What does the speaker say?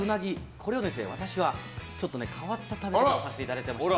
これを私はちょっと変わった食べ方をさせてもらってまして。